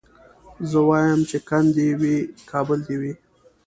زه وايم چي کند دي وي کابل دي وي